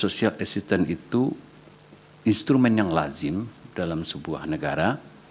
social assistance itu instrumen yang lazim dalam sebuah negara